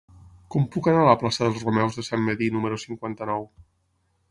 Com puc anar a la plaça dels Romeus de Sant Medir número cinquanta-nou?